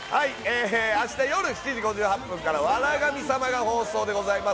明日夜７時５８分からは『笑神様』が放送でございます。